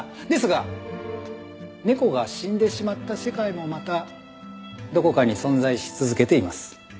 ですが猫が死んでしまった世界もまたどこかに存在し続けています。